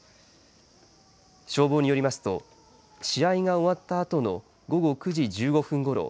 消防によりますと試合が終わったあとの午後９時１５分ごろ